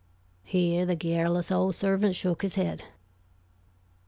Here the garrulous old servant shook his head.